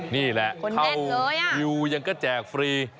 นี่แหละเข้าวิวยังก็แจกฟรี